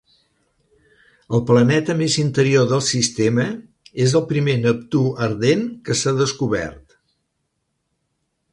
El planeta més interior del sistema és el primer Neptú ardent que s'ha descobert.